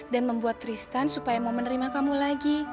dan membuat tristan supaya mau menerima kamu lagi